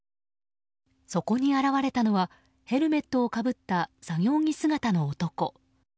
そこに現れたのはヘルメットをかぶった作業着姿の男。